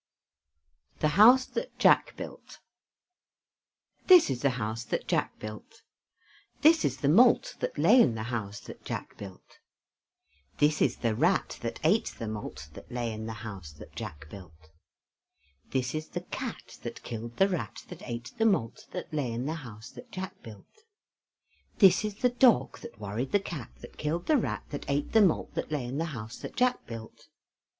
THE HOUSE THAT JACK BUILT This is the house that Jack built. This is the malt That lay in the house that Jack built. This is the rat That ate the malt That lay in the house that Jack built. This is the cat, That killed the rat, That ate the malt That lay in the house that Jack built. This is the dog, That worried the cat, That killed the rat, That ate the malt That lay in the house that Jack built.